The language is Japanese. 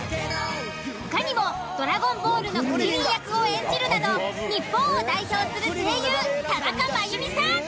他にも「ドラゴンボール」のクリリン役を演じるなど日本を代表する声優田中真弓さん。